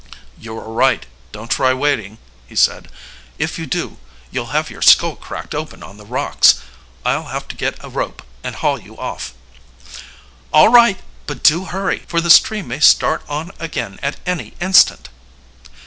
"You are right don't try wading," he, said. "If you do, you'll have your skull cracked open on the rocks. I'll have to get a rope and haul you off." "All right; but do hurry, for this tree may start on again at any instant!"